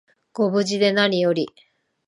ご無事でなにより